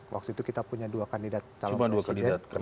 waktu itu kita punya dua kandidat tahun ke tujuh